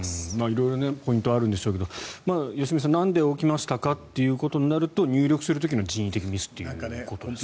色々ポイントはあるんでしょうけど良純さん、なんで起きましたかということになると入力する時の人為的ミスということですね。